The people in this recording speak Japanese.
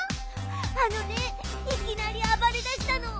あのねいきなりあばれだしたの。